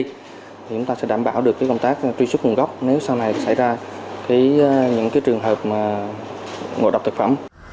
thì chúng ta sẽ đảm bảo được công tác truy xuất nguồn gốc nếu sau này xảy ra những trường hợp ngộ độc thực phẩm